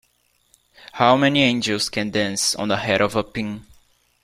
How many angels can dance on the head of a pin?